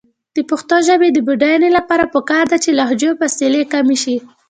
د پښتو ژبې د بډاینې لپاره پکار ده چې لهجو فاصلې کمې شي.